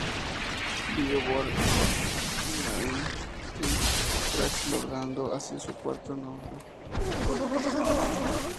Billboard "Hot Latin Tracks" logrando así su cuarto No.